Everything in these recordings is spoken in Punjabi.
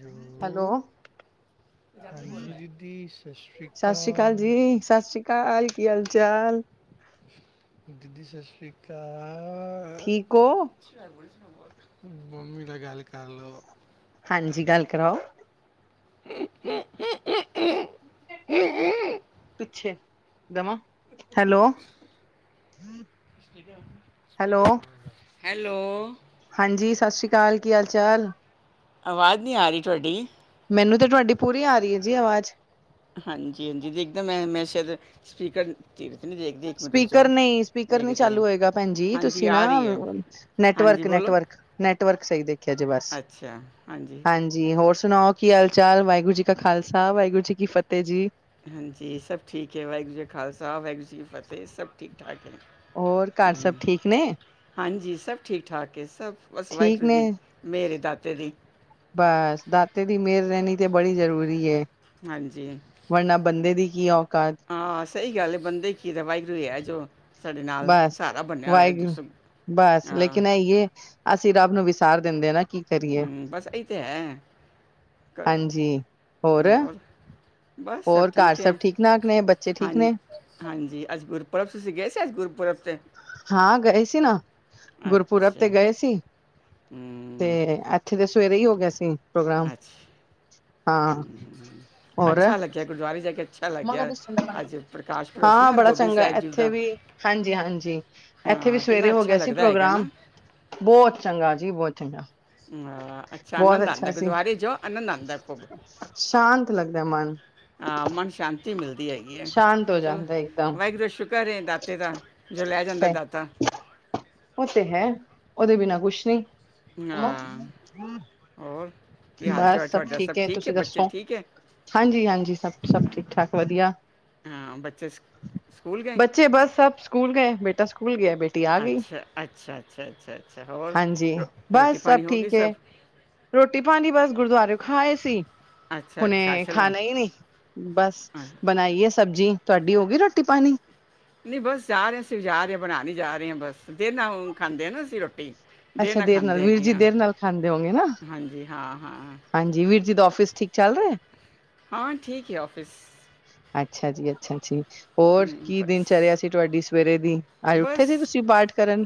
ਜੋ [inaudible] ਸਤ ਸ੍ਰੀ ਕਾਲ ਜੀ, ਸਤ ਸ੍ਰੀ ਕਾਲ। ਕੀ ਹਾਲ ਚਾਲ? ਹਮ ਦੀਦੀ ਸਤਿ ਸ੍ਰੀ ਅਕਾਲ ਠੀਕ ਹੋ ਬੋਮੀ ਲ ਗਲੀ ਕ ਲੋ ਹਾਂਜੀ ਗੱਲ ਕਰਾਓ [inaudible] ਅੱਛਾ ਜੀ ਪੁੇ ਗਮ ਹੈਲੋ ਹੈਲੋ ਹੈਲੋ ਹਾਂਜੀ ਸਤਿ ਸ਼੍ਰੀ ਅਕਾਲ ਕੀ ਹਾਲ ਚਾਲ ਆਵਾਜ਼ ਨਹੀਂ ਆ ਰਹੀ ਤੁਹਾਡੀ ਮੈਨੂੰ ਤਾਂ ਤੁਹਾਡੀ ਪੂਰੀ ਆ ਰਹੀ ਹੈ ਜੀ ਆਵਾਜ਼ ਹਾਂਜੀ ਹਾਂਜੀ ਦੇਖਦਾ ਮੈਂ ਮੈਂ ਸ਼ਾਇਦ ਸਪੀਕਰ ਤੇ ਨਹੀਂ ਦੇਖਦੀ ਇੱਕ ਮਿੰਟ ਰੁਕ ਸਪੀਕਰ ਜਾਓ ਨਹੀਂ ਸਪੀਕਰ ਨੀ ਦੇਖਦੀ ਹਾਂ ਚਾਲੂ ਹੋਏਗਾ ਭੈਣਜੀ ਹਾਂਜੀ ਤੁਸੀਂ ਨਾ ਆ ਰਹੀ ਹੈ ਹਾਂਜੀ ਨੈਟਵਰਕੈ ਬੋਲੋ ਵਰਕ ਨੈਟਵਰਕ ਸਹੀ ਦੇਖਿਆ ਜੇ ਬਸ ਹਾਂਜੀ ਹੋਰ ਸੁਣਾਓ ਕੀ ਹਾਲ ਚਾਲ ਵਾਹਿਗੁਰੂ ਜੀ ਕਾ ਖਾਲਸਾ ਵਾਹਿਗੁਰੂ ਜੀ ਕੀ ਫਤਿਹ ਜੀ ਹਾਂਜੀ ਸਭ ਠੀਕ ਹੈ ਵਾਹਿਗੁਰੂ ਜੀ ਖਾਲਸਾ ਵਾਹਿਗੁਰੂ ਜੀ ਕੀ ਫਤਿਹ ਸਭ ਠੀਕ ਠਾਕ ਹੈ ਹੋਰ ਘਰ ਸਭ ਹਮ, ਠੀਕ ਨੇ ਹਾਂਜੀ ਸਭ ਠੀਕ ਠਾਕ ਸਭ ਬਸ ਠੀਕ ਵਾਹਿਗੁਰੂ ਨੇ ਜੀ ਮੇਰੇ ਦਾਤੇ ਜੀ ਬਸ ਦਾਤੇ ਦੀ ਮਿਹਰ ਰਹਿਣੀ ਤੇ ਬੜੀ ਜ਼ਰੂਰੀ ਹਾਂਜੀ ਵਰਨਾ ਬੰਦੇ ਦੀ ਕੀ ਔਕਾਤ ਹਾਂ ਸਹੀ ਗੱਲ ਹੈ ਬੰਦੇ ਕੀ ਦਾ ਵਾਹਿਗੁਰੂ ਇਹ ਜੋ ਸਾਡੇ ਨਾਲ ਬਸ ਸਾਰਾ ਬਣਿਆ ਹੋਇਆ ਦੁਖ ਵਾਹਿਗੁਰੂ ਬਸ ਲੇਕਿਨ ਇਏ ਅਸੀਂ ਰੱਬ ਨੂੰ ਵਿਸਾਰ ਦਿੰਦੇ ਨਾ ਕੀ ਕਰੀਏ ਹਮ ਬਸ ਇਹੀ ਤੇ ਹੈ ਹਾਂਜੀ ਹੋਰ ਹੋਰ ਘਰ ਸਭ ਠੀਕ ਠਾਕ ਨੇ ਬ ਹਾਂ ਹਾਂਜੀ ਅੱਜ ਗੁਰਪੁਰਬ ਤੁਸੀਂ ਗਏ ਸੀ ਅੱਜ ਗੁਰਪੁਰਬ ਤੇ ਹਾਂ ਗਏ ਸੀ ਨਾ ਗੁਰਪੁਰਬ ਤੇ ਅੱਛਾ ਗਏ ਸੀ ਤੇ ਹੂੰ ਇੱਥੇ ਦੇ ਸਵੇਰੇ ਹੀ ਹੋ ਗਿਆ ਸੀ ਪ੍ਰੋਗਰਾਮ ਅੱਛਾ ਹਾਂ ਹੋਰ ਅੱਛਾ ਲੱਗਿਆ ਗੁਰਦੁਆਰੇ ਜਾ ਕੇ ਅੱਛਾ ਲੱਗਿਆ ਅੱਜ ਪ੍ਰਕਾਸ਼ ਪੁਰਬ ਸੀ ਹਾਂ ਨਾ ਬੜਾ ਹਰਗੋਬਿੰਦ ਚੰਗਾ ਸਾਹਿਬ ਜੀ ਇੱਥੇ ਦਾ ਵੀ ਹਾਂਜੀ ਹਾਂਜੀ ਇੱਥੇ ਵੀ ਹਾਂ ਕਿੰਨਾ ਸਵੇਰੇ ਹੋ ਅੱਛਾ ਗਿਆ ਸੀ ਲੱਗਦਾ ਹੈਗਾ ਨਾ ਪ੍ਰੋਗਰਾਮ ਬਹੁਤ ਚੰਗਾ ਜੀ ਬਹੁਤ ਚੰਗਾ ਹਾਂ, ਅੱਛਾ ਬਹੁਤ ਆਨੰਦ ਆਉਂਦਾ ਅੱਛਾ ਸੀ ਗੁਰਦੁਆਰੇ ਜਾਓ ਆਨੰਦ ਆਉਂਦਾ ਖੂਬ ਸ਼ਾਂਤ ਲੱਗਦਾ ਮਨ ਆ ਮਨ ਸ਼ਾਂਤ ਹੈਗੀ ਹੈ ਸ਼ਾਂਤ ਹੋ ਚੱਲੋ ਜਾਂਦਾ ਇੱਕਦਮ ਵਾਹਿਗੁਰੂ ਸ਼ੁ ਕਰੇ ਦਾਤੇ ਦਾ ਜੋ ਲੈ ਜਾਂਦਾ ਦਾਤਾ ਉਹ ਤੇ ਹੈ ਉਹਦੇ ਬਿਨਾ ਕੁਛ ਨਹੀਂ ਹਾਂ ਹੋਰ ਕੀ ਹਾਲ ਚਾਲ ਬਸ ਸਭ ਤੁਹਾਡਾ ਠੀਕ ਹੈ ਤੁਸੀਂ ਬੱਚੇ ਦੱਸੋ ਠੀਕ ਹੈ ਹਾਂਜੀ ਹਾਂਜੀ ਸਭ ਸਭ ਠੀਕ ਠਾਕ ਵਧੀਆ ਹਾਂ ਬੱਚੇ ਸਕ- ਸਕੂਲ ਗਏ ਬੱਚੇ ਬਸ ਸਭ ਸਕੂਲ ਗਏ ਬੇਟਾ ਸਕੂਲ ਗਏ ਅੱਛਾ ਅੱਛਾ ਅੱਛਾ ਅੱਛਾ ਅੱਛਾ ਹੋਰ ਹਾਂਜੀ ਰੋਟੀ ਬਸ ਸਭ ਪਾਣੀ ਹੋ ਗਈ ਠੀਕ ਹੈ ਸਭ ਰੋਟੀ ਪਾਣੀ ਬਸ ਗੁਰਦੁਆਰਿਓ ਖਾ ਆਏ ਸੀ ਅੱਛਾ ਹੁਣੇ ਅੱਛਾ ਚਲੋ ਖਾਣਾ ਹੀ ਨਹੀਂ ਬਸ ਹਾਂ। ਬਣਾਈਏ ਸਬਜ਼ੀ ਤੁਹਾਡੀ ਹੋ ਗਈ ਰੋਟੀ ਪਾਣੀ ਨਹੀਂ ਬਸ ਜਾ ਰਹੇ ਅਸੀਂ ਜਾ ਰਹੇ ਹਾਂ ਬਣਾਨ ਹੀ ਜਾ ਰਹੇ ਆ ਬਸ ਦਿਨ ਹੁਣ ਖਾਂਦੇ ਨਾ ਅਸੀਂ ਰੋਟੀ ਅੱਛਾ ਦੇਰ ਨਾਲ ਖਾਂਦੇ ਵੀਰ ਹੈਗੇ ਜੀ ਆ ਦੇਰ ਨਾਲ ਖਾਂਦੇ ਹੋਗੇ ਨਾ ਹਾਂਜੀ ਹਾਂ ਹਾਂ ਹਾਂਜੀ ਵੀਰ ਜੀ ਦਾ ਆਫਿਸ ਠੀਕ ਚੱਲ ਰਿਹਾ ਹਾਂ ਠੀਕ ਹੈ ਆਫਿਸ ਅੱਛਾ ਜੀ, ਅੱਛਾ ਜੀ। ਹੋਰ ਹਮ, ਕੀ ਦਿਨ ਚਰਿਆ ਬਸ ਸੀ ਤੁਹਾਡੀ ਸਵੇਰੇ ਦੀ ਅੱਜ ਉੱਠੇ ਸੀ ਤੁਸੀਂ ਪਾਠ ਕਰਨ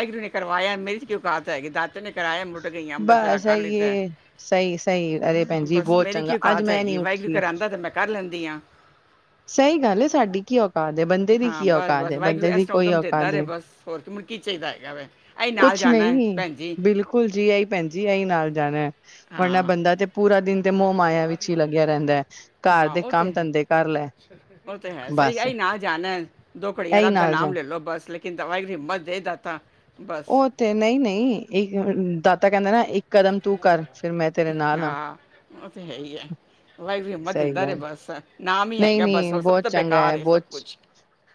ਵਾਹਿਗੁਰੂ ਨੇ ਕਰਵਾਇਆ ਮੇਰੇ ਚ ਕੀ ਔਕਾਤ ਹੈਗੀ ਦਾ ਕਰਾਇਆ ਮੁਟ ਗਈ ਅੰਮ੍ਰਿਤ ਵੇਲਾ ਬਸ ਕਰ ਦਿੱਤਾ ਆਈਏ ਸਹੀ-ਸਹੀ ਅਰੇ ਭੈਣ ਜੀ ਬਸ ਬਹੁਤ ਮੇਰੀ ਚੰਗਾ ਕੀ ਅੱਜ ਔਕਾਤ ਮੈਂ ਨੀ ਹੈਗੀ ਵਾਹਿਗੁਰੂ ਉੱਠੀ। ਘਰ ਆਂਦਾ ਤੇ ਮੈਂ ਕਰ ਲੈਂਦੀ ਹਾਂ ਸਹੀ ਗੱਲ ਏ ਸਾਡੀ ਕੀ ਔ ਹਾ ਬੰਦੇ ਦੀ ਹਾਂ ਕੀ ਬਸ ਔਕਾਤ ਬਸ ਵਾਹਿਗੁਰੂ ਬੰਦੇ ਇਸ ਦੀ ਤਰ੍ਹਾਂ ਕੋਈ ਉਦਮ ਔਕਾਤ ਦਿੰਦਾ ਰਹੇ ਨਹੀ ਬਸ ਹੋਰ ਕਿ ਮੁੜ ਕੀ ਚਾਹੀਦਾ ਹੈਗਾ ਵੇ ਅਸੀਂ ਕੁਛ ਨਾਲ ਕੁਛ ਜਾਣਾ ਹੈ ਨਹੀ ਭੈਣ ਜੀ ਬਿਲਕੁਲ ਜੀ ਆਹੀ ਭੈਣ ਜੀ ਆਹੀ ਨਾਲ ਜਾਣਾ ਵਰਨਾ ਹਾਂ ਬੰਦਾ ਤੇ ਪੂਰਾ ਦਿਨ ਤੇ ਮੋਹ ਮਾਇਆ ਵਿਚ ਹੀ ਲਗਿਆ ਰਹਿਦਾ ਹੈ। ਘਰ ਹਾਂ ਦੇ ਉਹ ਕੰਮ ਤੇ ਹੈ ਧੰਦੇ ਕਰ ਲੈ ਉਹ ਤੇ ਹੈ। ਸਹੀ ਬਸ ਇਹੀ ਨਾਲ ਜਾਣਾ ਦੋ ਘੜੀਆਂ ਇਹੀ ਰੱਬ ਦਾ ਨਾਲ ਜਾ ਨਾਮ ਲੈ ਲੋ ਬਸ ਲੇਕਿਨ ਦਵਾਈ ਦੀ ਹਿੰਮਤ ਦੇ ਦਾਤਾ ਬਸ ਉਹ ਤੇ ਨਹੀਂ ਨਹੀਂ ਇੱਕ ਦਾਤਾ ਕਹਿੰਦੇ ਨਾ ਕਰਮ ਤੂੰ ਕਰ ਫਿਰ ਮੈਂ ਤੇਰੇ ਨਾਲ ਆ ਹਾਂ ਉਹ ਤੇ ਹੈ ਹੀ ਹੈ ਵਾਹਿਗੁਰੂ ਹਿੰਮਤ ਸਹੀ ਦਿੰਦਾ ਰਹੇ ਗੱਲ ਬਸ ਨਾਮ ਹੀ ਨਹੀ ਹੈਗਾ ਨਹੀ ਬਸ ਹੋਰ ਸਭ ਬਹੁਤ ਤੋਂ ਚੰਗਾ ਹੈ। ਬੇਕਾਰ ਸਭ ਬਹੁਤ ਕੁਝ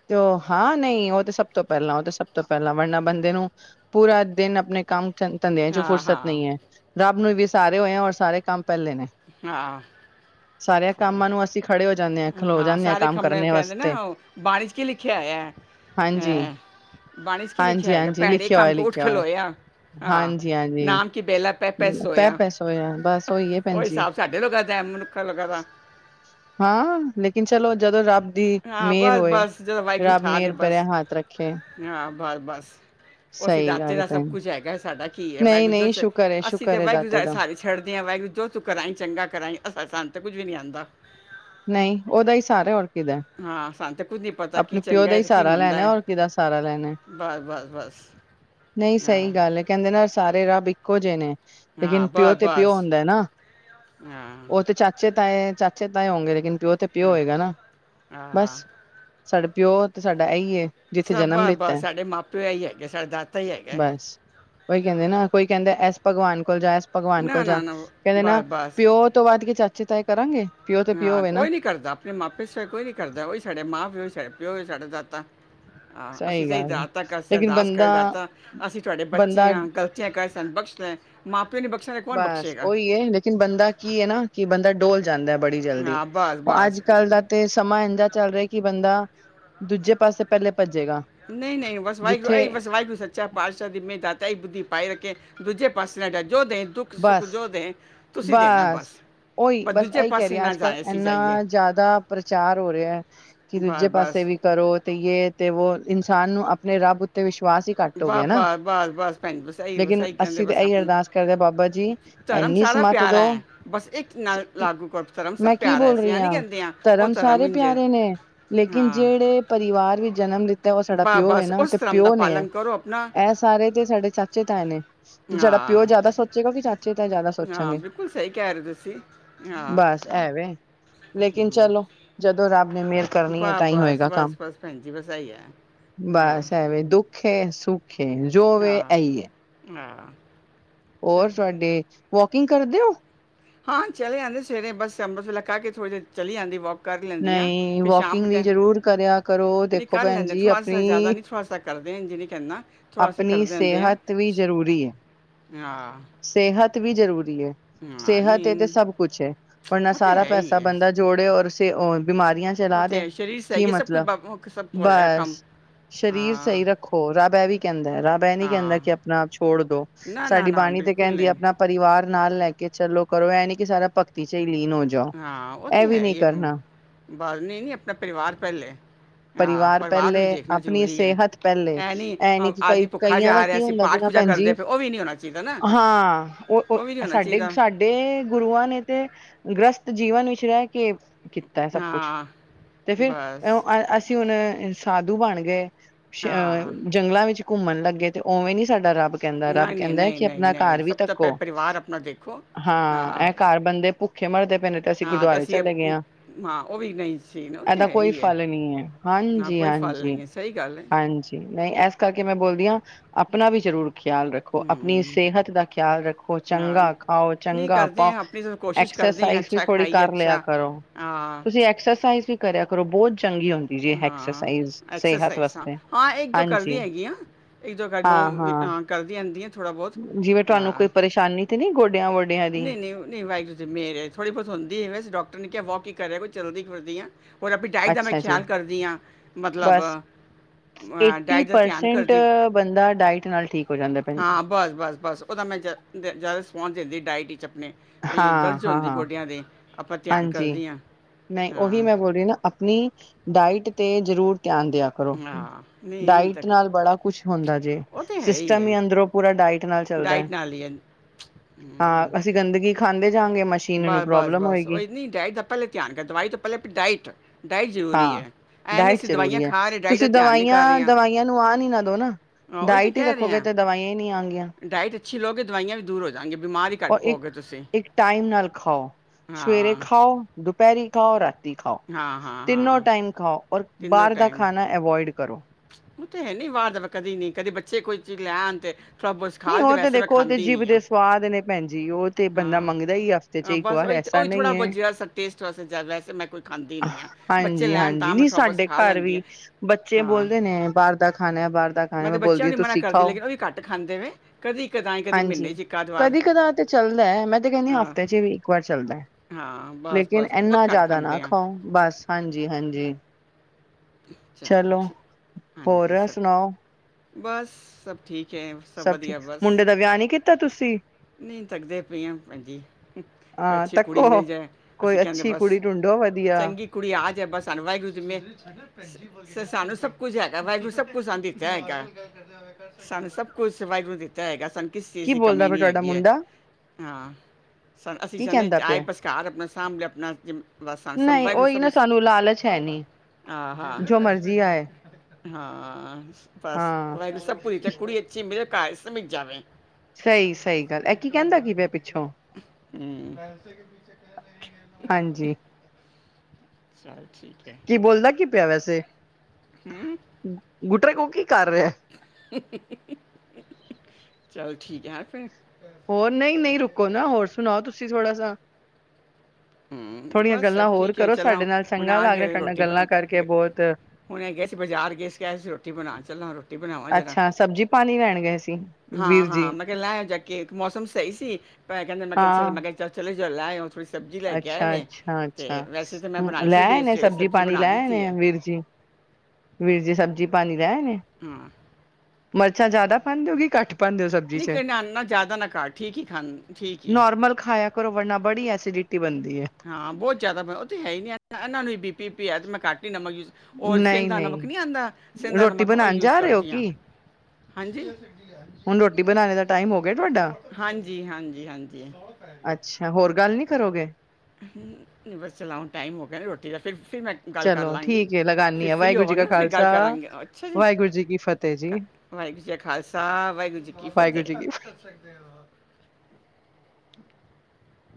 ਤੇ ਉਹ ਹਾਂ ਨਹੀ ਉਹ ਤਾਂ ਸਭ ਤੋ ਪਹਿਲਾਂ ਉਹ ਤਾਂ ਸਭ ਤੋ ਪਹਿਲਾਂ ਵਰਨਾ ਬੰਦੇ ਨੂੰ ਪੂਰਾ ਦਿਨ ਆਪਣੇ ਕੰਮ ਧੰਦਿਆਂ ਚ' ਹਾਂ ਫੁਰਸਤ ਹਾਂ ਨਹੀਂ ਹੈ। ਰੱਬ ਨੂੰ ਵੀ ਸਾਰੇ ਹੋਏ ਆ ਔਰ ਸਾਰੇ ਕੰਮ ਪਹਿਲੇ ਨੇ ਆ- ਸਾਰਿਆਂ ਚਲੋ ਕੰਮਾਂ ਨੂੰ ਅਸੀਂ ਖੜੇ ਹੋ ਜਾਂਦੇ ਖਲੋ ਹਾਂ ਜਾਂਦੇ ਸਾਰੇ ਕੰਮ ਕੰਮਾਂ ਕਰਨੇ ਤੋਂ ਆ ਜਾਂਦੇ ਵਾਸਤੇ ਨਾ ਉਹ ਬਾਣੀ ਚ' ਕੀ ਲਿਖਿਆ ਹੋਇਆ ਐ ਹਾਂਜੀ- ਬਾਣੀ ਵਿਚ ਕੀ ਹਾਂਜੀ ਲਿਖਿਆ ਹਾਂਜੀ ਪੈੜੇ ਲਿਖਿਆ ਹੋਇਆ ਕੰਮਗੋਠ ਲਿਖਿਆ ਹੋਇਆ ਖਲੋਇਆ ਹਾਂ ਹਾਂਜੀ ਹਾਂਜੀ ਨਾਮ ਕੀ ਬੇਲਾ ਪੈ ਪੈ ਸੋਇਆ ਪੈਸਾ ਹੋਆ ਬਸ ਹੋਈਏ ਉਹ ਭੈਣਜੀ ਹਿਸਾਬ ਸਾਡੇ ਲੋਕਾਂ ਦਾ ਹੈ, ਮਨੁੱਖਾਂ ਲੋਕਾਂ ਦਾ ਹਾਜੀ ਹਾਂ ਲੇਕਿਨ ਚਲੋ ਜਦੋ ਰੱਬ ਦੀ ਹਾਂ ਮੇਹਰ ਬਸ ਹੋਏ ਬਸ ਜਦੋਂ ਵਾਹਿਗੁਰੂ ਰੱਬ ਉਠਾ ਦੇ ਮੇਹਰ ਭਰਿਆ ਬਸ ਹਾਥ ਰਖੇ ਹਾਂ ਬਸ ਬਸ ਉਹ ਦਾਤੇ ਹੈ ਦਾ ਸਭ ਭੈਣ ਕੁਛ ਹੈਗਾ ਸਾਡਾ ਕੀ ਹੈ। ਵਾਹਿਗੁਰੂ ਜੋ ਨਹੀਂ-ਨਹੀਂ ਸ਼ੁਕਰ ਏ, ਅਸੀ ਸ਼ੁਕਰ ਤਾਂ ਏ ਵਾਹਿਗੁਰੂ ਦਾਤੇ ਦਾ। ਸਹਾਰੇ ਛੱਡਦੇ ਹਾਂ ਵਾਹਿਗੁਰੂ ਜੋ ਤੂੰ ਕਰਾਈ ਚੰਗਾ ਕਰਾਈ ਸਾਨੂੰ ਤੇ ਕੁਝ ਵੀ ਨਹੀ ਆਂਦਾ ਨਹੀ ਉਹਦੇ ਹੀ ਸਾਰੇ ਹੋਰ ਕਿਦਾ ਹਾਂ ਸਾਨੂੰ ਤਾਂ ਕੁਝ ਨਹੀਂ ਪਤਾ ਕੀ ਆਪਣੇ ਪਿਓ ਚੰਗਾ ਦਾ ਹੈ ਹੀ ਤੇ ਕੀ ਸਹਾਰਾ ਮੰਦਾ ਲੈਣਾ ਹੈ ਔਰ ਕਿਹਦਾ ਸਾਰਾ ਲੈਣਾ ਬਸ ਬਸ ਬਸ ਨਹੀ ਹਾਂ ਸਹੀ ਗੱਲ ਐ, ਕਹਿਦੇ ਨੇ ਸਾਰੇ ਰਬ ਇਕੋ ਜਿਹੇ ਨੇ ਹਾਂ ਲੇਕਿਨ ਪਿਓ ਬਸ ਤੇ ਪਿਓ ਬਸ ਹੁੰਦਾ ਹੈ ਨਾ, ਹਾਂ ਉਹ ਤੇ ਚਾਚੇ ਤਾਏ ਚਾਚੇ ਤਏ ਹੋਗੇ, ਲੇਕਿਨ ਪਿਓ ਤੇ ਪਿਓ ਹਾਂ ਹੋਏਗਾ ਨਾ ਹਾਂ ਬਸ ਸਾਡੇ ਪਿਓ, ਤੇ ਸਾਡਾ ਏਈ ਏ ਜਿੱਥੇ ਸਭ ਜਨਮ ਬਸ ਲਿੱਤਾ ਹੈ। ਬਸ, ਸਾਡੇ ਮਾਂ ਪਿਓ ਏਹੀ ਹੈਗੇ, ਸਾਡੇ ਦਾਤਾ ਹੀ ਹੈਗਾ। ਕੋਈ ਕਹਿਦੇ ਨਾ ਕੋਈ ਕਹਿਦਾ ਏਸ ਭਗਵਾਨ ਕੋਲ ਜਾਂ ਭਗਵਾਨ ਕੋਲ ਨਾ ਨਾ ਜਾ, ਨਾ ਕਹਿਦੇ ਨਾ ਬਸ ਬਸ ਪਿਓ ਤੋ ਵਧ ਕੇ ਚਾਚੇ ਤਾਏ ਇਹ ਕਰਨ ਗੇ। ਹਾਂ ਕੋਈ ਨੀ ਕਰਦਾ ਆਪਣੇ ਮਾਪੇ ਸੀਵਾ ਕੋਈ ਨੀ ਕਰਦਾ, ਏਹੀ ਸਾਡੇ ਮਾਂ ਪਿਓ ਸਾਡੇ ਪਿਓ ਹੇ ਸਾਡਾ ਦਾਤਾ ਆਹ ਅਸੀ ਸਹੀ ਤੇ ਗੱਲ ਏ ਦਾਤਾ ਅਗੇ ਲੇਕਿਨ ਅਰਦਾਸ ਕਰ ਬੰਦਾ, ਦਾਤਾ ਅਸੀ ਤੁਹਾਡੇ ਬੱਚੇ ਬੰਦਾ ਆਂ, ਗਲਤੀਆਂ ਕਰ ਸਨ ਬਖਸ਼ ਲੈ, ਮਾਪ- ਬਸ ਉਹੀ ਹੈ। ਲੇਕਿਨ ਬੰਦਾ ਕੀ ਹੈ। ਨਾ ਕਿ ਬੰਦਾ ਡੋਲ ਜਾਂਦਾ ਬੜੀ ਜਲਦੀ, ਹਾਂ ਬਸ ਅਜ ਬਸ ਕਲ ਦਾ ਤੇ ਸਮਾ ਰਹਦਾ ਚੱਲ ਰਿਹਾ ਕਿ ਬੰਦਾ ਦੂਜੇ ਪਾਸੇ ਪਹਿਲੇ ਭੱਜੇਗਾ ਨਹੀ- ਨਹੀ ਬਸ ਵਾਹਿਗੁਰੂ ਜਿੱਥੇ ਇਹ ਬਸ ਵਾਹਿਗੁਰੂ ਸੱਚਾ ਪਾਤਸ਼ਾਹ ਦੀ, ਮੇਰੇ ਦਾਤਾ ਬੁੱਧੀ ਪਾਈ ਰਖੇ, ਦੂਜੇ ਪਾਸੇ ਨਾਜਾ ਜੋ ਦੇਹੀ ਦੁਖ ਸੁਖ ਬਸ ਜੋ ਦੇ ਤੁਸੀ ਦੇਣਾ ਬਸ ਔਹੀ ਬਸ ਦੂਜੇ ਇਹੀ ਕਹਿ ਪਾਸੇ ਰਹੀ ਨਾ ਅਜ ਕਲ ਜਾਏ ਅਸੀਂ ਇੰਨਾ ਜਾਈਏ ਜ਼ਿਆਦਾ ਪ੍ਰਚਾਰ ਹੋ ਰਿਹਾ, ਕਿ ਬਸ ਦੂਜੇ ਪਾਸੇ ਬਸ ਵੀ ਕਰੋ, ਤੇ ਯੇ, ਤੇ ਵੋ, ਇਨਸਾਨ ਨੂੰ ਆਪਣੇ ਰੱਬ ਉਤੇ ਵਿਸ਼ਵਾਸ ਵਿਸ਼ਵਾਸ ਹੀ ਘਟ ਹੋ ਗਿਆ ਬਸ ਨਾ, ਬਸ ਬਸ ਬਸ ਭੈਣ ਬਸ ਇਹੀ ਬਸ ਲੇਕਿਨ ਇਹੀ ਕਹਿੰਦੇ ਅਸੀ ਤੇ ਬਸ ਏਹੀ ਆਪਣੀ ਅਰਦਾਸ ਕਰਦੇ ਬਾਬਾ ਜੀ ਧਰਮ ਇਨੀ ਸਾਰਾ ਸਮਤ ਪਿਆਰਾ ਦੋ ਹੈ। ਬਸ ਇਕ ਨਾਲ ਲਾਗੂ ਕਰ ਧਰਮ ਸਭ ਮੈਂ ਕੀ ਪਿਆਰਾ ਬੋਲ ਅਸੀ ਰਹੀ ਏ ਨਹੀ ਹਾਂ ਕਹਿਦੇ ਹਾ ਉਹ ਧਰਮ ਸਾਰੇ ਇਝ ਪਿਆਰੇ ਨੇ ਲੇਕਿਨ ਜਿਹੜੇ ਪਰਿਵਾਰ ਵੀ ਜਨਮ ਲਿੱਤਾ ਉਹ ਸਾਡਾ ਬਸ ਪਿਓ ਹੈ ਬਸ ਨਾ, ਉਸ ਤੇ ਧਰਮ ਦਾ ਪਿਓ ਨੇ ਹੈ ਪਾਲਨ ਕਰੋ ਆਪਣਾ ਇਹ ਸਾਰੇ ਤੇ ਸਾਡੇ ਚਾਚੇ ਤਾਏ ਨੇ, ਤੇ ਸਾਡਾ ਪਿਓ ਹਾਂ ਜ਼ਿਆਦਾ ਸੋਚੇਗਾ, ਕਿ ਚਾਚੇ ਤਾਏ ਜ਼ਿਆਦਾ ਸੋਚਣਗੇ। ਹਾਂ ਬਿਲਕੁਲ ਸਹੀ ਕਹਿ ਰਹੇ ਤੁਸੀ, ਹਾ। ਬਸ ਐਵੇਂ ਲੇਕਿਨ ਚਲੋ ਜਦੋਂ ਰੱਬ ਨੇ ਮਿਹਰ ਕਰਨੀ ਹੈ, ਬਾ ਤਾਂਹੀ ਬਸ ਹੋਏਗਾ ਬਸ ਕਮ ਬਸ ਭੈਣ ਜੀ ਬਸ ਆਈ ਹੈ ਬਸ ਆਹ ਹੈਵੇ ਦੁਖ ਹੈ, ਸੁਖ ਹੈ, ਜੋ ਵੇ, ਆਹ ਐਈ ਹੈ। ਆਹ ਹੋਰ ਚਲੋ ਤੁਹਾਡੇ, ਵਾਕਿੰਗ ਕਰਦੇ ਹੋ। ਹਾਂ ਚਲੇ ਜਾਂਦੇ ਸਵੇਰੇ ਬਸ ਅੰਮ੍ਰਿਤ ਵੇਲਾ ਖਾ ਕੇ ਥੋੜੀ ਦੇਰ ਚਲੀ ਜਾਂਦੀ ਵੋਕ ਕਰ ਲੈਂਦੀਆਂ, ਨਹੀਂ ਫਿਰ ਸ਼ਾਮ ਵੋਕਿੰਗ ਵੀ ਟਾਈਮ ਜ਼ਰੂਰ ਕਰਿਆ ਕਰੋ ਨਹੀਂ ਦੇਖੋ ਕਰ ਭੈਣ ਲੈਂਦੇ, ਜੀ ਥੋੜ੍ਹਾ ਸਾ ਜ਼ਿਆਦਾ ਆਪਣੀ ਨਹੀਂ ਥੜ੍ਹਾ ਸ ਕਰ ਵੇ ਇੰਜ ਨੀ ਕਰਨਾ, ਥੋੜਾ ਸ ਕਰ ਆਪਣੀ ਦਿੰਦੇ ਆ। ਸਿਹਤ ਵੀ ਜ਼ਰੂਰੀ ਹੈ ਆਹ ਸਿਹਤ ਵੀ ਜ਼ਰੂਰੀ ਹੈ, ਹਾਂ ਸਿਹਤ ਹੈ ਨਹੀਂ ਸਭ ਕੁਛ ਹੈ, ਵਰਨਾ ਉਹ ਤੇ ਸਾਰਾ ਹੈ ਹੀ ਪੈਸਾ ਹੈ ਬੰਦਾ ਜੋੜੇ ਔਰ ਬਿਮਾਰੀਆਂ ਉਹ ਚਲਾ ਤੇ ਦੇ ਹੈ, ਸਰੀਰ ਕੀ ਸਹੀ ਹੈ ਸਭ ਕੁਝ ਮਤਲਬ, ਬਾਪ- ਉਹ ਸਭ ਤੋਂ ਹੋਇਆ ਕੰਮ ਬਸ ਸਰੀਰ ਹਾਂ ਸਹੀ ਰੱਖੋ ਰੱਬ ਇਹ ਵੀ ਕਹਿੰਦਾ, ਰੱਬ ਇਹ ਨੀ ਕਹਿੰਦਾ ਹਾਂ ਕਿ ਆਪਣਾ ਆਪ ਛੋੜ ਦੋ, ਨਾ ਨਾ ਸਾਡੀ ਨਾ ਬਾਣੀ ਏ ਤੇ ਬਿਲਕੁਲ ਕਹਿੰਦੀ ਨਹੀਂ ਆਪਣਾ ਪਰਿਵਾਰ ਨਾਲ ਲੈ ਕੇ ਚਲੋ ਕਰੋ, ਇਹ ਨੀ ਕਿ ਸਾਰਾ ਭਗਤੀ ਚ ਹੀ ਲੀਨ ਹੋ ਜਾਓ, ਹਾਂ ਉਹ ਇਹ ਤੇ ਵੀ ਹੈ ਨਹੀਂ ਹੀ ਕਰਨਾ ਬਸ, ਨਹੀਂ ਨਹੀ ਆਪਣਾ ਪਰਿਵਾਰ ਪਹਿਲੇ। ਹਾਂ ਪਰਿਵਾਰ ਨੂੰ ਪਹਿਲੇ, ਦੇਖਣਾ ਆਪਣੀ ਜ਼ਰੂਰੀ ਹੈ ਸਿਹਤ ਪਹਿਲੇ, ਐ ਨਹੀਂ ਇਹ ਨੀ ਅ- ਕਿ ਕਈ ਆਦਮੀ ਭੁੱਖਾ ਕਈਆਂ ਦਾ ਜਾ ਰਿਹਾ ਕੀ ਸੀ ਹੁੰਦਾ ਪਾਠ ਜਿ ਪੂਜਾ ਭੈਣਜੀ ਕਰਦੇ ਪਏ ਉਹ ਵੀ ਨਹੀਂ ਹੋਣਾ ਚਾਹੀਦਾ ਨਾ ਹਾਂ, ਉਹ ਵੀ ਨਹੀਂ ਹੋਣਾ ਸਾਡੇ ਚਾਹੀਦਾ ਸਾਡੇ ਗੁਰੂਆਂ ਨੇ ਤੇ ਗ੍ਰਸਤ ਜੀਵਨ ਵਿੱਚ ਰਹਿ ਕੇ ਕੀਤਾ ਹੈ ਸਭ ਕੁਛ, ਹਾਂ ਤੇ ਫਿਰ ਅ ਬਸ ਅਸੀਂ ਹੁਣ ਸਾਧੂ ਬਣ ਗਏ, ਹਾਂ ਜੰਗਲਾਂ ਵਿੱਚ ਘੁੰਮਣ ਲੱਗੇ, ਤੇ ਉਵੇਂ ਨੀ ਸਾਡਾ ਰੱਬ ਰੱਬ ਕਹਿੰਦਾ, ਰੱਬ ਨਹੀਂ ਨਹੀਂ ਕਹਿੰਦਾ ਨਹੀਂ ਕਿ ਨਹੀਂ ਆਪਣਾ ਨਹੀਂ ਘਰ ਵੀ ਸਭ ਤੋਂ ਪਹਿਲੇ ਤਕੋ ਪਰਿਵਾਰ ਆਪਣਾ ਦੇਖੋ ਹਾਂ, ਇਹ ਘਰ ਬੰਦੇ ਭੁੱਖ ਪਹਿਲੇ ਤੇ ਅਸੀਂ ਹਾਂ ਤਾਂ ਗੁਰਦੁਆਰੇ ਅਸੀਂ ਚਲੇ ਗਏ ਅਮ, ਆ। ਹਾਂ ਉਹ ਵੀ ਨਹੀਂ ਸੀ ਨਾ ਉਹ ਤੇ ਇਹਦਾ ਹੈ ਕੋਈ ਹੀ ਹੈ ਫਲ ਨਹੀਂ ਏ, ਨਾ ਹਾਂਜੀ ਕੋਈ ਫਲ ਹਾਂਜੀ ਨਹੀਂ ਹੈ ਸਹੀ ਗੱਲ ਹੈ ਹਾਂਜੀ। ਜੀ, ਨਹੀਂ ਇਸ ਕਰਕੇ ਮੈਂ ਬੋਲਦੀ ਆ ਆਪਣਾ ਵੀ ਜ਼ਰੂਰ ਖਿਆਲ ਰੱਖੋ, ਆਪਣੀ ਹਮ, ਸਿਹਤ ਦਾ ਖਿਆਲ ਰੱਖੋ, ਹਾਂ ਚੰਗਾ ਖਾਓ, ਨਹੀਂ ਚੰਗਾ ਕਰਦੇ ਪਾਓ ਹਾਂ ਆਪਣੀ ਸਿਰਫ ਕੋਸ਼ਿਸ਼ ਕਰਦੇ ਹਾਂ ਐਕਸਰਸਾਈਜ਼ ਵੀ ਅੱਛਾ ਥੋੜੀ ਖਾਈਏ ਕਰ ਲਿਆ ਅੱਛਾ ਕਰੋ, ਹਾਂ ਤੁਸੀਂ ਐਕਸਰਸਾਈਜ਼ ਵੀ ਕਰਿਆ ਕਰੋ ਬਹੁਤ ਚੰਗੀ ਹੁੰਦੀ ਜੀ ਐਕਸਰਸਾਈਜ਼, ਸਿਹਤ ਵਾਸਤੇ ਹਾਂਜੀ, ਹਾਂ। ਹਾਂ ਹਾਂ, ਕਰਦੀ ਰਹਿੰਦੀ ਹਾਂ ਥੋੜ੍ਹਾ ਬਹੁਤ। ਜਿਵੇਂ ਤੁਹਾਨੂੰ ਕੋਈ ਪਰੇਸ਼ਾਨੀ ਤੇ ਨੀ ਗੋਡਿਆਂ ਵੋਡਿਆਂ ਦੀ ਨਈ- ਨਈ, ਨਈ ਵਾਹਿਗੁਰੂ ਦੀ ਮਿਹਰ ਏ, ਥੋੜੀ ਬਹੁਤ ਹੁੰਦੀ ਏ, ਵੈਸੇ ਡਾਕਟਰ ਨੇ ਕਿਹਾ, ਵਾਕਿੰਗ ਕਰਿਆ ਕਰੋ ਚਲਦੀ ਫਿਰਦੀ ਆ। ਹੋਰ ਆਪਣੀ ਡਾਇਟ ਦਾ ਮੈਂ ਅੱਛਾ ਜੀ ਖਿਆਲ ਕਰਦੀ ਹਾਂ ਮਤਲਬ ਬਸ ਅ ਏਟੀ ਡਾਇਟ ਦਾ ਧਿਆਨ ਪਰਸੈਂਟ ਕਰਦੀ, ਬੰਦਾ ਡਾਇਟ ਨਾਲ ਠੀਕ ਹੋ ਜਾਂਦਾ ਭੈਣ ਜੀ। ਹਾਂ ਬਸ- ਬਸ- ਬਸ ਉਹਦਾ ਮੈਂ ਜ਼ਿਆਦਾ ਸਪੋਂਸ ਦਿੰਦੀ ਡਾਇਟ ਵਿੱਚ ਅਪਣੇ ਵੀ ਹਾਂ ਦਰਦ ਹਾਂ ਹੁੰਦੀ ਹਾਂ ਗੋਡਿਆਂ ਦੇ ਆਪਾਂ ਧਿਆਨ ਹਾਂਜੀ, ਕਰਦੀ ਹਾਂ। ਨਹੀਂ ਉਹੀ ਹਾਂ, ਮੈਂ ਬੋਲ ਰਹੀ ਨਾ ਆਪਣੀ ਡਾਇਟ ਤੇ ਜ਼ਰੂਰ ਧਿਆਨ ਦਿਆ ਕਰੋ, ਹਾਂ, ਨਹੀਂ ਡਾਇਟ ਤੱਕ ਨਾਲ ਬੜਾ ਕੁਛ ਹੁੰਦਾ ਜੇ, ਉਹ ਤਾਂ ਹੈ ਸਿਸਟਮ ਹੈ, ਹੀ ਅੰਦਰੋਂ ਪੂਰਾ ਡਾਇਟ ਨਾਲ ਚੱਲਦਾ, ਡਾਇਟ ਨਾਲ ਹੀ ਹੈ। ਹਾਂ ਅਸੀਂ ਗੰਦਗੀ ਖਾਂਦੇ ਜਾਗੇ ਮਸ਼ੀਨ ਨੂੰ ਬੱਸ- ਬਸ- ਪ੍ਰੋਬਲਮ ਬਸ ਹੋਏਗੀ ਉਹੀ ਨਈ, ਡਾਇਟ ਦਾ ਪਹਿਲਾ ਧਿਆਨ ਕਰ ਦਵਾਈ ਤੋਂ ਪਹਿਲਾਂ ਡਾਇਟ, ਡਾਇਟ ਹਾਂ ਜਰੂਰੀ ਏ, ਇਹ ਨੀ ਡਾਇਟ ਅਸੀਂ ਦਵਾਈਆਂ ਜ਼ਰੂਰੀ ਹੈ ਖਾ ਰਹੇ ਡਾਇਟ ਦਾ ਤੁਸੀਂ ਧਿਆਨ ਨਹੀਂ ਕਰ ਰਹੇ ਦਵਾਈਆਂ ਹਾਂ ਦਵਾਈਆਂ ਨੂੰ ਆਣ ਨੀਨਾ ਦੋ ਨਾ। ਹਾਂ, ਉਹੀ ਤਾਂ ਡਾਇਟ ਹੀ ਕਹਿ ਰਹੇ ਰੱਖੋਗੇ ਆ, ਤੇ ਦਵਾਈਆਂ ਹੀ ਨਹੀਂ ਆਉਣਗੀਆਂ ਡਾਇਟ ਅੱਛੀ ਲੋਗੇ ਦਵਾਈਆਂ ਵੀ ਦੂਰ ਹੋ ਜਾਣਗੀਆਂ, ਬਿਮਾਰ ਈ ਘੱਟ ਔਰ ਪੋਗੇ ਇੱਕ ਇੱਕ ਟਾਈਮ ਨਾਲ ਖਾਓ, ਸਵੇਰੇ ਹਾਂ ਖਾਓ, ਦੁਪਹਿਰੀ ਖਾਓ, ਰਾਤੀ ਖਾਓ ਹਾਂ ਹਾਂ ਤਿੰਨੋ ਹਾਂ ਟਾਈਮ ਖਾਓ, ਔਰ ਤਿੰਨੋਂ ਬਾਹਰ ਦਾ ਟਾਈਮ ਖਾਣਾ ਅਵੋਇਡ ਕਰੋ ਉਹ ਤੇ ਹੈ ਨੀ ਬਾਹਰ ਦਾ ਕਦੇ ਨੀ ਕਦੇ ਬੱਚੇ ਕੋਈ ਚੀਜ਼ ਲੈ ਆਨ ਤੇ ਥੋੜਾ ਬਹੁਤ ਖਾ ਨਹੀਂ ਲਈ ਉਹ ਤੇ ਵੈਸੇ ਮੈਂ ਦੇਖੋ ਤੇ ਖਾਂਦੀ ਜੀਭ ਨਹੀਂ ਦੇ ਆ ਸਵਾਦ ਨੇ, ਭੈਣ ਜੀ ਉਹ ਤੇ ਬੰਦਾ ਮੰਗਦਾ ਈ ਹਫ਼ਤੇ ਚ ਇੱਕ ਵਾਰ ਉਹ ਐਸਾ ਵੀ ਨਹੀਂ ਥੋੜਾ ਹੈ ਬਹੁਤ ਜਿਹਾ ਸਾ ਟੇਸਟ ਵਾਸਤੇ ਜਿਆ, ਵੈਸੇ ਮੈਂ ਕੁਛ ਖਾਂਦੀ ਨੀ ਆ, ਬੱਚੇ ਹਾਂਜੀ ਲੈ ਅਣ ਹਾਂਜੀ ਤਾਂ ਮੈਂ ਨਹੀਂ ਥੋੜਾ ਬਹੁਤ ਸਾਡੇ ਖਾ ਲੈਂਦੀ ਘਰ ਵੀ ਆ ਬੱਚੇ ਬੱਚੇ ਹਾਂ ਬੋਲਦੇ ਨੇ ਬਾਹਰ ਦਾ ਖਾਨਾ, ਬਾਹਰ ਦਾ ਖਾਨਾ ਮੈਂ ਤੇ ਬੱਚਿਆਂ ਬੋਲਦੀਆਂ, ਨੂੰ ਨੀ ਮਨਾ ਤੁਸੀਂ ਕਰਦੀ ਖਾਓ ਲੇਕਿਨ ਉਹ ਵੀ ਘੱਟ ਖਾਂਦੇ ਵੇ ਕਦੀ ਕਦਾਈ ਕਦੀ ਹਾਂਜੀ, ਮਹੀਨੇ 'ਚ ਇੱਕ ਆਧ ਵਾਰ ਕਦੀ ਕਦਾ ਤੇ ਚੱਲਦਾ ਐ, ਮੈਂ ਤੇ ਕਹਿੰਦੀ ਹਾਂ, ਹਫ਼ਤੇ ਚ ਵੀ ਇੱਕ ਵਾਰ ਚੱਲਦਾ। ਹਾਂ ਬਸ ਲੇਕਿਨ ਬਸ ਬਹੁਤ ਏਨਾ ਘੱਟ ਜ਼ਿਆਦਾ ਨਾ ਖਾਂਦੇ ਆ ਖਾਓ, ਬਸ ਹਾਂਜੀ- ਹਾਂਜੀ। ਚਾ ਚਲੋ ਠੀਕ ਹਾਂਜੀ ਹੋਰ ਸਭ ਸੁਣਾਓ। ਬਸ ਠੀਕ ਹੈ ਸਭ ਵਧੀਆ ਠੀਕ, ਬਸ ਮੁੰਡੇ ਦਾ ਵਿਆਹ ਨੀ ਕੀਤਾ ਤੁਸੀਂ? ਨਹੀਂ ਥਕਦੇ ਪਏ ਆ ਭੈਣ ਜੀ। ਕੋਈ ਅਹ ਅੱਛੀ ਕੁੜੀ ਤੱਕੋ ਮਿਲ ਜਾਏ, ਅਸੀਂ ਕੋਈ ਕਹਿੰਦੇ ਅੱਛੀ ਬਸ ਕੁੜੀ ਢੂੰਡੋ ਵਧੀਆ ਚੰਗੀ ਕੁੜੀ ਆ ਜਾਏ, ਬਸ ਸਾਨੂੰ ਵਾਹਿੁਗੁਰੂ ਦੀ ਮੇਹਰ ਸਾਨੂੰ ਸਭ ਕੁਛ ਹੈਗਾ, ਵਾਈਗੁਰੂ ਸਬ ਕੁਛ ਸਾਨੂੰ ਦਿੱਤਾ ਹੈਗਾ। ਸਾਨੂੰ ਸਭ ਕੁਛ ਸ ਵਾਈਗੁਰੂ ਦਿੱਤਾ ਹੈਗਾ ਸਾਨੂੰ ਕਿਸ ਚੀਜ਼ ਕੀ ਦੀ ਬੋਲਦਾ ਕਮੀ ਪਿਆ ਨਹੀਂ ਤੁਹਾਡਾ ਹੈਗੀ ਏ, ਮੁੰਡਾ ਹਾਂ। ਅਸੀਂ ਕੀ ਚਾਂਦੇ ਕਹਿੰਦਾ ਚ ਆਏ ਪਿਆ ਬਸ ਘਰ ਅਪਨਾ ਸਾਂਭ ਲੇ ਅਪਨਾ [unintelligible] ਬਸ ਸਨ ਸਭ ਨ ਨਹੀਂ ਵਾਈਗੁਰੂ ਉਹੀ ਨਾ ਸਬਨੂ ਸਾਨੂੰ ਲਾਲਚ ਹੈ ਆ। ਨੀ ਅਹਾ, ਹਾਂ ਜੋ ਮਰਜ਼ੀ ਆਏ ਬਸ ਹਾਂ ਵਾਈਗੁਰ ਸਭ ਕੁਜ ਦੀਤਾ ਕੁੜੀ ਅਛੀ ਮੇਰੇ ਘਰ ਸਮ [unintelligible] ਜਾਵੇ। ਸਈ ਹਾਂਜੀ ਹੂੰ। ਚਲ ਠੀਕ ਹੈ ਕੀ ਬੋਲਦਾ ਕੀ ਪਿਆ ਵੈਸੇ ਗੁਟਰੇ ਕੋਕੀ ਚੱਲ ਠੀਕ ਏ, ਏ ਫਿਰ। ਹੋਰ ਨਈ-ਨਈ ਰੁਕੋ ਨਾ ਹੋਰ ਸੁਣਾਓ ਤੁਸੀਂ ਥੋੜਾ ਸ ਹੂੰ ਥੋੜੀਆਂ ਬਸ ਸਭ ਗੱਲਾਂ ਹੋਰ ਠੀਕ ਹੈ ਕਰੋ ਚਲਾਂ ਸਾਡੇ ਨਾਲ ਹੁਣ ਸੰਗਾਂ ਆ ਲੱਗ ਰਿ ਗਏ ਤੁਡਾ ਨਾਲ ਰੋਟੀ ਬ- ਅਮ, ਗੱਲਾਂ ਕਰਕੇ ਗ- ਬਹੁਤ ਹੁਣ ਇਹਗੇ ਅਸੀਂ ਬਾਜ਼ਾਰ ਗਏ ਸੀ ਕਿਹਾ ਅ ਰੋਟੀ ਬਣਾ ਚੱਲਾਂ ਰੋਟੀ ਬਣਾਵਾਂ ਜਰਾ ਅੱਛਾ ਸਬਜ਼ੀ ਪਾਣੀ ਲੈਣ ਗਏ ਸੀ ਹਾਂ ਵੀਰ ਜੀ ਹਾਂ ਮੈਂ ਕਿਹਾ ਲੈਓ ਜਾ ਕੇਕ ਮੌਸਮ ਸਹੀ ਸੀ ਪਰ ਏ ਕਹਿੰਦੇ ਮੈਂ ਕਿਹਾ ਹਾਂ ਮੈਂ ਕਿਹਾ ਚਲ ਚਲੇ ਜਾਓੋ ਲੈ ਆਓ ਥੋੜੀ ਸ ਅੱਛਾ, ਅੱਛਾ, ਅੱਛਾ, ਤਾਂ ਮੈਂ ਹ ਬਣਾਈ ਲੈ ਛੱਡੀ ਏ ਨੇੇ ਸਵੇਰੇ ਸਬਜ਼ੀ ਪਾਣੀ, ਬਣਾ ਲੈ ਏ ਦਿੱਤੀ ਨੇੇ ਵੀਰਜੀ ਵੀਰਜੀ ਸਬਜ਼ੀ ਪਾਣੀ ਰੈਏ ਨੇ। ਹੂੰ। ਮਰਚਾਂ ਜੈਦਾ ਪਾਂਦੇ ਓ ਕੀ ਘੱਟ ਪਾਂਦੇ ਓ? ਨਈ ਕਈ ਨਾ-ਨਾ ਜ਼ਿਆਦਾ ਨਾ ਘਟ ਠੀਕ ਈ ਖਾਣ, ਠੀਕ ਈ ਏ। ਨੋਰਮਲ ਖਾਇਆ ਕਰੋ ਵਰਨਾ ਬੜੀ ਐਸਿਡਿਟੀ ਹਾਂ ਬਹੁਤ ਜ਼ਿਆਦਾ ਬ ਉਹ ਤੇ ਹੈ ਹੀ ਨੀ ਇਹਨਾਂ ਨੂੰ ਈ ਬੀ ਪੀ ਪੀ ਹੈ ਤੇ ਮੈਂ ਘਟ ਈ ਨਮਕ ਯੂਜ, ਓ ਨਹੀਂ ਸੇਂਦਾ ਨਹੀਂ ਨਮਕ ਨੀ ਆਂਦਾ ਸੇਂਦਾ ਰੋਟੀ ਨਮਕ ਓ ਬਣਾਉਣ ਯੂਜ ਜਾ ਰਹੇ ਹੋ ਕਰਦੀਆਂ। ਕੀ ਹਾਂਜੀ। [inaudible] ਹੁਣ ਰੋਟੀ ਬਣਾਣੇ ਦਾ ਟਾਈਮ ਹੋ ਗਿਆ ਤੁਹਾਡਾ ਹਾਂਜੀ। ਅੱਛਾ ਹੋਰ ਗੱਲ ਨੀ ਕਰੋਗੇ ਬਸ ਚਲਾ ਹੁਣ ਟਾਈਮ ਹੋ ਗਿਆ ਨਾ ਰੋਟੀ ਦਾ ਫਿਰ ਫਿਰ ਮੈਂ ਗੱਲ ਕਰ ਚਲੋ ਲਵਾਂਗੀ ਠੀਕ ਹੈ ਲਗਾਨੀ ਫਿਂ ਆ ਫਰੀ ਵਾਹਿਗੁਰੂ ਜੀ ਹੋਵਾਂਗੇ ਕਾ ਨਾ ਫਿਰ ਗੱਲ ਖਾਲਸਾ ਕਰਾਂਗੇ ਅੱਛਾ ਜੀ ਵਾਹਿਗੁਰੂ ਕੀ ਫਤਿਹ ਜੀ ਵਾਹਿਗੁਰੂ ਜੀ ਕਾ ਖਾਲਸਾ ਵਾਹਿਗੁਰੂ ਜੀ ਕੀ ਵਾਹਿਗੁਰੂ ਜੀ ਕੀ ਫਤਿਹ [inaudible]